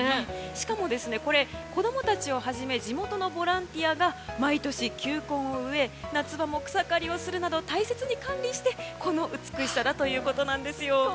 しかも、子供たちをはじめ地元のボランティアが毎年、球根を植え夏場も草刈りをするなど大切に管理してこの美しさだということです。